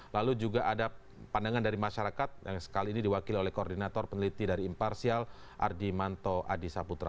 lalu juga ada pandangan dari masyarakat yang sekali ini diwakili oleh koordinator peneliti dari imparsial ardi manto adisa putra